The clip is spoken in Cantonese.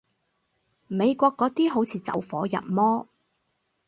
美國嗰啲好似走火入魔